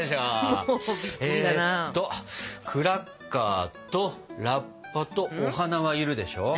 えっとクラッカーとラッパとお花は要るでしょ。